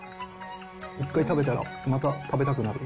一回食べたらまた食べたくなる。